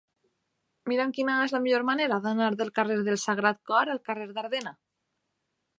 Mira'm quina és la millor manera d'anar del carrer del Sagrat Cor al carrer d'Ardena.